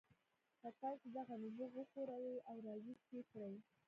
که تاسې دغه نبوغ وښوروئ او راویښ یې کړئ